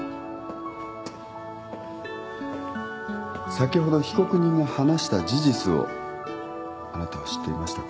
先ほど被告人が話した事実をあなたは知っていましたか？